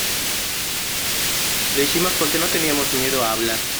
Lo hicimos porque no teníamos miedo a hablar.